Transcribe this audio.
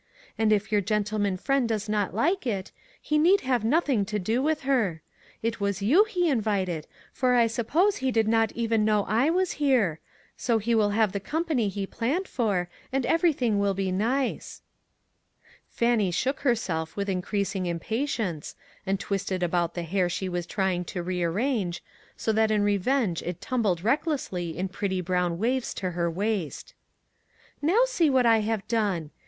And if your gentleman friend does not like it, he need have nothing to do with her. It .was you he invited, for I suppose lie did not even know I was here ; so he will have the company he planned for, and everything will be nice." Fannie shook herself with increasing im patience, and twitched about the hair she STEP BY STEP. 57 was trying to rearrange, so that in revenge it tumbled recklessly in pretty brown waves to her waist. " Now see what I have done